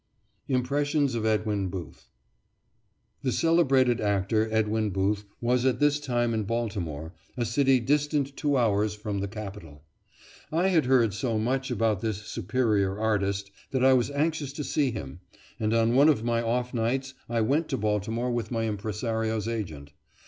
IMPRESSIONS OF EDWIN BOOTH The celebrated actor Edwin Booth was at this time in Baltimore, a city distant two hours from the capital. I had heard so much about this superior artist that I was anxious to see him, and on one of my off nights I went to Baltimore with my impresario's agent.